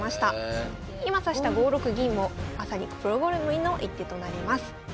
今指した５六銀もまさにプロ好みの一手となります。